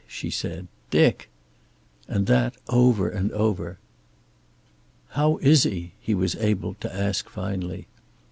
she said. "Dick!" And that, over and over. "How is he?" he was able to ask finally.